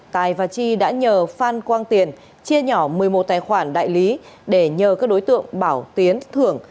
tài và chi đã nhờ phan quang tiền chia nhỏ một mươi một tài khoản đại lý để nhờ các đối tượng bảo tiến thưởng